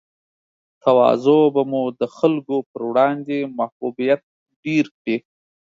تواضع به مو د خلګو پر وړاندې محبوبیت ډېر کړي